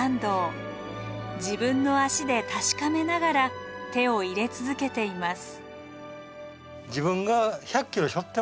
自分の足で確かめながら手を入れ続けています。